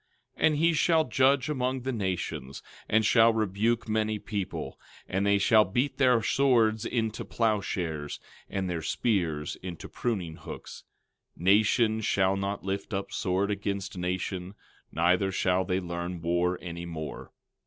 12:4 And he shall judge among the nations, and shall rebuke many people: and they shall beat their swords into plow shares, and their spears into pruning hooks—nation shall not lift up sword against nation, neither shall they learn war any more.